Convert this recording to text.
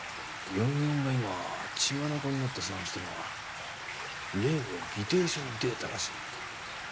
４４が今血眼になって捜しているのが例の議定書のデータらしい。